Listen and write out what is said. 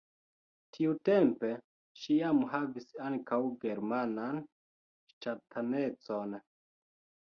Tiutempe ŝi jam havis ankaŭ germanan ŝtatanecon.